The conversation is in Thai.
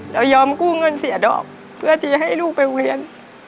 เรายอมกู้เงินเสียดอกเพื่อที่จะให้ลูกไปเรียน